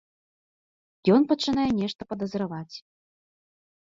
Ён пачынае нешта падазраваць.